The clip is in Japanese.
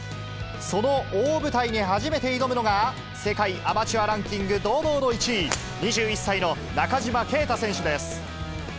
その大舞台に初めて挑むのが、世界アマチュアランキング堂々の１位、２１歳の中島啓太選手です。